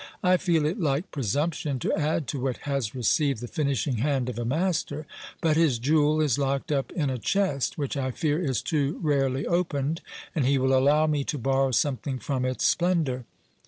I feel it like presumption to add to what has received the finishing hand of a master; but his jewel is locked up in a chest, which I fear is too rarely opened, and he will allow me to borrow something from its splendour.